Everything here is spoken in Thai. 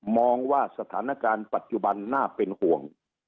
มองว่าสถานการณ์ปัจจุบันน่าเป็นห่วง